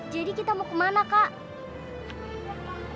jadi kita mau kemana kak